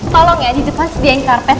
tolong ya di depan sediain karpet